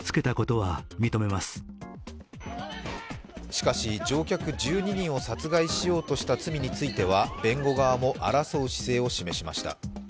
しかし、乗客１２人を殺害しようとした罪については弁護側も争う姿勢を示しました。